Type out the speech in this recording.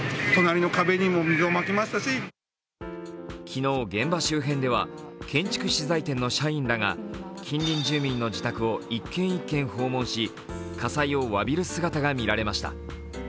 昨日、現場周辺では建築資材店の社員らが近隣住民の自宅を一軒一軒訪問し、火災を詫びる姿が見られました。